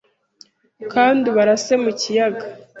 Kandi ubarase mu kiyaga